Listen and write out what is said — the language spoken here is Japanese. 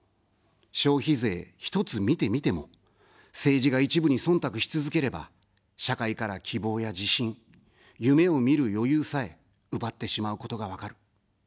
消費税ひとつ見てみても、政治が一部にそんたくし続ければ、社会から希望や自信、夢を見る余裕さえ奪ってしまうことが分かる。